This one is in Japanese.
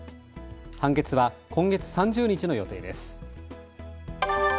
判決は今月３０日の予定です。